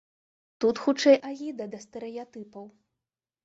Тут хутчэй агіда да стэрэатыпаў.